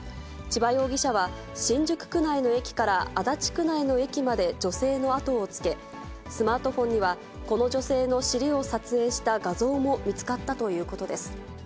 千葉容疑者は、新宿区内の駅から足立区内の駅まで女性の後をつけ、スマートフォンにはこの女性の尻を撮影した画像も見つかったということです。